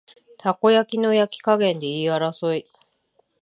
たこ焼きの焼き加減で言い争い